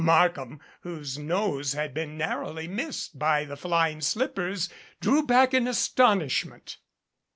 Markham, whose nose had been narrowly missed by the flying slippers, drew back in as tonishment.